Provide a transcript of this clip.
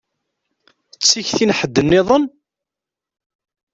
D tikti n ḥedd nniḍen?